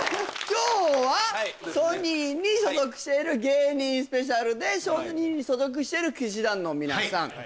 今日はソニーに所属している芸人スペシャルでソニーに所属している氣志團の皆さん